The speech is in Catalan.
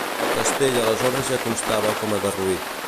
El castell aleshores ja constava com a derruït.